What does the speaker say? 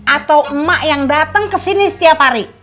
atau emak yang dateng kesini setiap hari